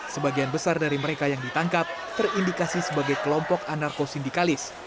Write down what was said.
sebagian besar dari mereka yang ditangkap terindikasi sebagai kelompok anarko sindikalis